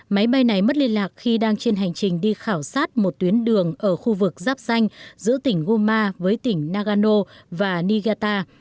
máy bay này mất liên lạc khi đang trên hành trình đi khảo sát một tuyến đường ở khu vực giáp xanh giữa tỉnh gunma với tỉnh nagano và niigata